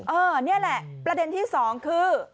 นี่แหละประเด็นที่สองคือ